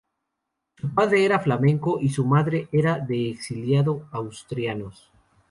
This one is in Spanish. Su padre era flamenco y su madre era hija de exiliado asturianos.